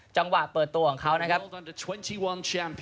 จังหวะเปิดตัวของเขา